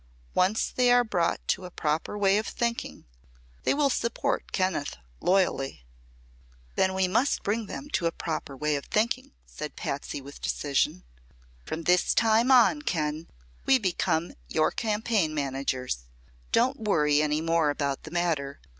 Once they are brought to a proper way of thinking they will support Kenneth loyally." "Then we must bring them to a proper way of thinking," said Patsy, with decision. "From this time on, Ken, we become your campaign managers. Don't worry any more about the matter.